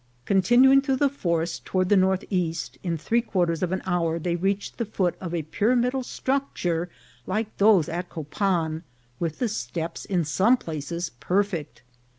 Continuing through the forest toward the northeast, in three quarters of an hour they reached the foot of a pyramidal structure like those at Copan, with the steps in some places perfect.